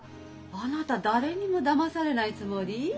あなた誰にもだまされないつもり？